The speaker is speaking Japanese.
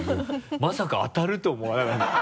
まさか当たるとは思わなかった。